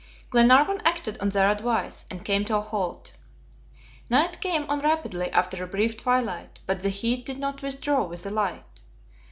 Glenarvan acted on their advice, and came to a halt. Night came on rapidly after a brief twilight, but the heat did not withdraw with the light.